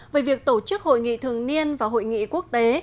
về việc tổ chức hội nghị thường niên và hội nghị quốc tế